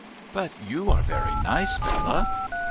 ' But you are very nice, Bella.'